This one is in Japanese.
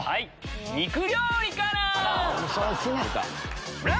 肉料理から！